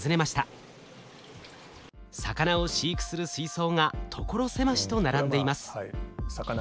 魚を飼育する水槽が所狭しと並んでいます。